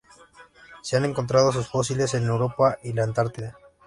Se han encontrado sus fósiles en Europa y la Antártida.